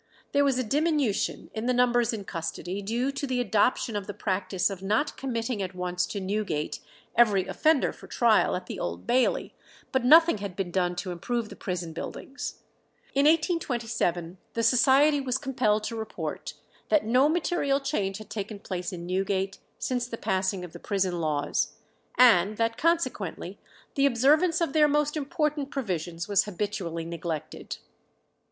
There was a diminution in the numbers in custody, due to the adoption of the practice of not committing at once to Newgate every offender for trial at the Old Bailey, but nothing had been done to improve the prison buildings. In 1827 the Society was compelled to report that "no material change had taken place in Newgate since the passing of the prison laws, and that consequently the observance of their most important provisions was habitually neglected."